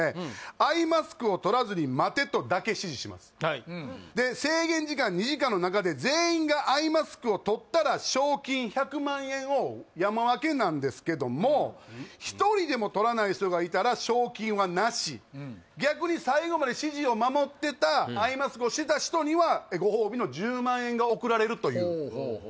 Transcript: アイマスクを取らずに待てとだけ指示しますで制限時間２時間の中で全員がアイマスクを取ったら賞金１００万円を山分けなんですけども１人でも取らない人がいたら賞金はなし逆に最後まで指示を守ってたアイマスクをしてた人にはご褒美の１０万円が贈られるというほうほうほう